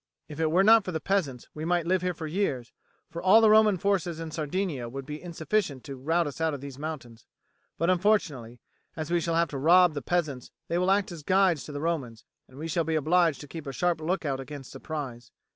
If it were not for the peasants we might live here for years, for all the Roman forces in Sardinia would be insufficient to rout us out of these mountains; but unfortunately, as we shall have to rob the peasants, they will act as guides to the Romans, and we shall be obliged to keep a sharp lookout against surprise.